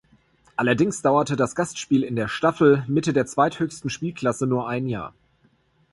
Allerdings dauerte das Gastspiel in der Staffel Mitte der zweithöchsten Spielklasse nur ein Jahr.